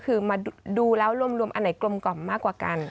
คือมาดูแล้วรวมอันไหนกลมกล่อมมากกว่ากัน